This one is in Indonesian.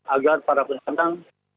agar para penanang